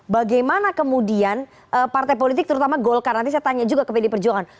bagaimana kemudian partai politik terutama golkar nanti saya tanya juga ke pd perjuangan